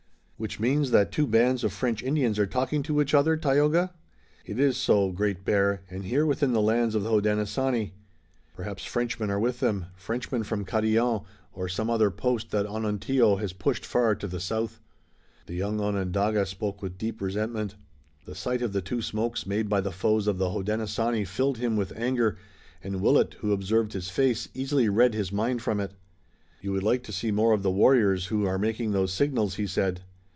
"Which means that two bands of French Indians are talking to each other, Tayoga?" "It is so, Great Bear, and here within the lands of the Hodenosaunee! Perhaps Frenchmen are with them, Frenchmen from Carillon or some other post that Onontio has pushed far to the south." The young Onondaga spoke with deep resentment. The sight of the two smokes made by the foes of the Hodenosaunee filled him with anger, and Willet, who observed his face, easily read his mind from it. "You would like to see more of the warriors who are making those signals," he said.